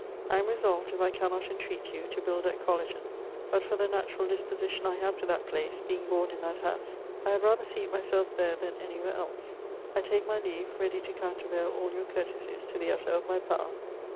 I am resolved, if I cannot entreat you, to build at Colliton; but for the naturall disposition I have to that place, being borne in that house, I had rather seate myselfe there then any where els; I take my leave, readie to countervaile all your courtesies to the utter of my power.